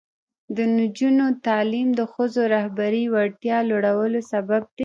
د نجونو تعلیم د ښځو رهبري وړتیا لوړولو سبب دی.